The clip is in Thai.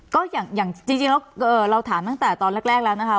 ก็อย่างจริงแล้วเราถามตั้งแต่ตอนแรกแล้วนะคะ